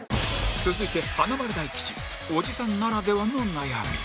続いて華丸・大吉オジさんならではの悩み